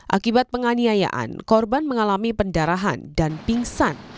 akibat penganiayaan korban mengalami pendarahan dan pingsan